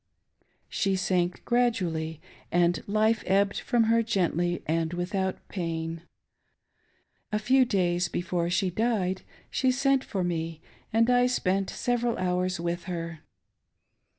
She sank gradually, and life ebbed from her gently and without pain. A few days before she died, she sent for me, and I spent several hours with her.